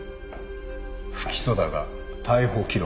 不起訴だが逮捕記録が。